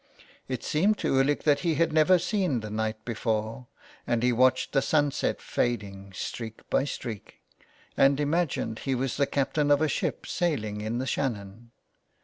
It seemed to Ulick that he had never seen the night before, and he watched the sunset fading streak by streak, and imagined he was the captain of a ship sailing in the Shannon.